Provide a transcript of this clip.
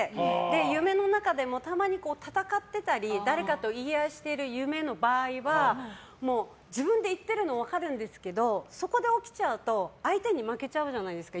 夢の中でもたまに戦っていたり誰かと言い合いしている夢の場合は自分で言ってるの分かるんですけどそこで起きちゃうと相手に負けちゃうじゃないですか。